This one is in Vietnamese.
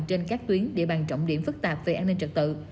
trên các tuyến địa bàn trọng điểm phức tạp về an ninh trật tự